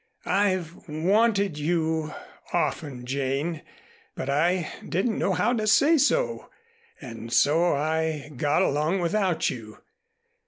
I've wanted you often, Jane, but I didn't know how to say so. And so I got along without you.